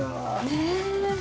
ねえ！